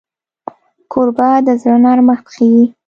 کوربه د زړه نرمښت ښيي.